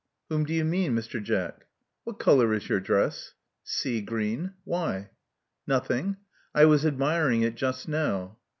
Whom do you mean, Mr. Jack?" What color is your dress?" *' Sea green. Why?" Nothing. I was admiring it just now."